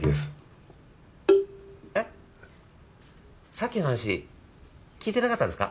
さっきの話聞いてなかったんですか？